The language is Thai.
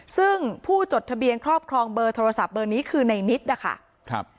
ซึ่งผู้จดทะเบียนครอบครองเบอร์โทรศัพท์เบอร์นี้คือในนิดนะคะครับ